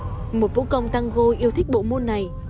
giler suaru một vũ công tango yêu thích bộ môn này